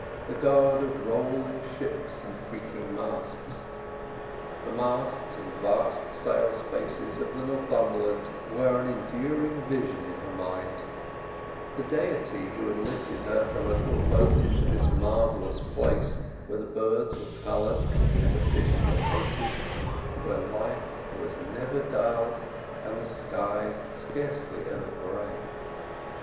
The god of rolling ships and creaking masts—the masts and vast sail spaces of the Northumberland were an enduring vision in her mind—the deity who had lifted her from a little boat into this marvellous place, where the birds were coloured and the fish were painted, where life was never dull, and the skies scarcely ever grey.